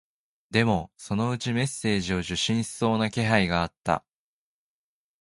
でも、そのうちメッセージを受信しそうな気配があった